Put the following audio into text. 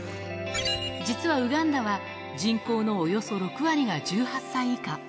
実はウガンダは、人口のおよそ６割が１８歳以下。